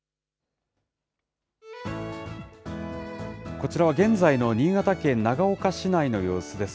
こちらは現在の新潟県長岡市内の様子です。